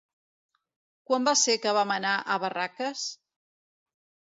Quan va ser que vam anar a Barraques?